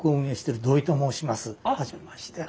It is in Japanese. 初めまして。